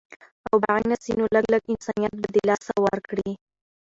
او باغي نسي نو لږ، لږ انسانيت به د لاسه ورکړي